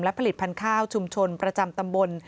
ผลิตภัณฑ์ข้าวชุมชนประจำตำบล